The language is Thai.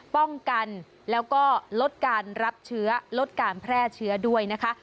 ป้องกันแล้วก็ลดการรับเชื้อลดการแพร่เชื้อด้วยนะคะ